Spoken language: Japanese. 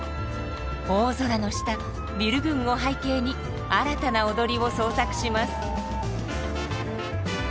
大空の下ビル群を背景に新たな踊りを創作します。